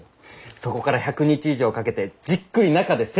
そこから１００日以上かけてじっくり中で成長するんだ。